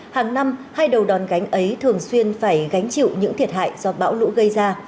hàng năm hai đầu đòn gánh ấy thường xuyên phải gánh chịu những thiệt hại do bão lũ gây ra